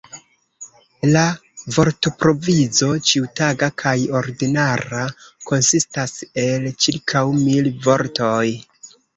La vortprovizo, ĉiutaga kaj ordinara, konsistas el ĉirkaŭ mil vortoj.